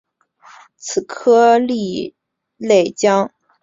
此科蜊类会将壳内孵化的幼体排至周围水中。